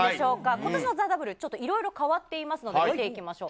ことしのＴＨＥＷ、いろいろ変わっていますので、見ていきましょう。